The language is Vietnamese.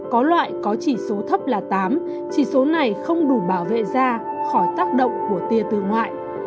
có loại có chỉ số thấp là tám chỉ số này không đủ bảo vệ da khỏi tác động của tia từ ngoại